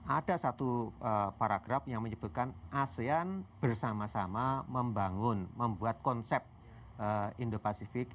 ada satu paragraf yang menyebutkan asean bersama sama membangun membuat konsep indo pasifik